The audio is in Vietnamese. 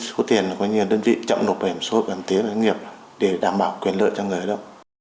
bản tiến doanh nghiệp để đảm bảo quyền lợi cho người đó